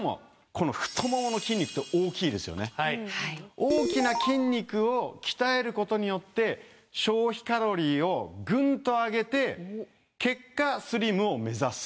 大きな筋肉を鍛えることによって消費カロリーをぐんと上げて結果スリムを目指せるということなんです。